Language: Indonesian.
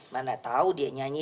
mana tau dia nyanyi dia tanya